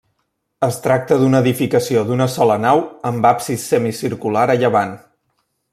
Es tracta d'una edificació d'una sola nau amb absis semicircular a llevant.